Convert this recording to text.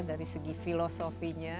dari segi filosofinya